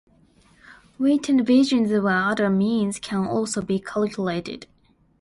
Weighted versions of other means can also be calculated.